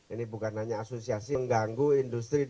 ini bukan hanya asosiasi mengganggu industri